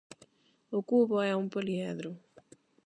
O cubo é un poliedro.